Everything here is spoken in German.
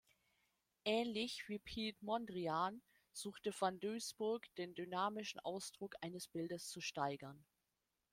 Ähnlich wie Piet Mondrian suchte van Doesburg den dynamischen Ausdruck eines Bildes zu steigern.